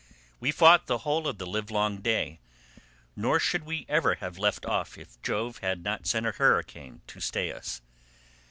We fought the whole of the livelong day, nor should we ever have left off if Jove had not sent a hurricane to stay us.